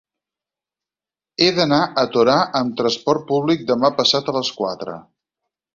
He d'anar a Torà amb trasport públic demà passat a les quatre.